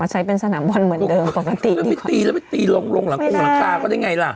เหมือนเดิมปกติแล้วไปตีแล้วไปตีลงลงหลังกุ้งหลังคาก็ได้ไงล่ะ